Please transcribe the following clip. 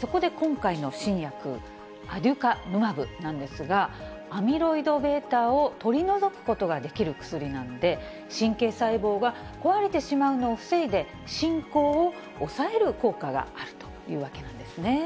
そこで今回の新薬、アデュカヌマブなんですが、アミロイドβを取り除くことができる薬なんで、神経細胞が壊れてしまうのを防いで、進行を抑える効果があるというわけなんですね。